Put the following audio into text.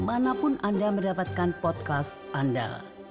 manapun anda mendapatkan podcast anda